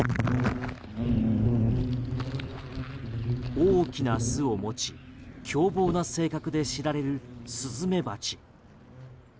大きな巣を持ち凶暴な性格で知られるスズメバチ。